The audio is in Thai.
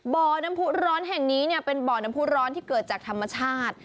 บ่อน้ำผู้ร้อนแห่งนี้เป็นบ่อน้ำผู้ร้อนที่เกิดจากธรรมชาติ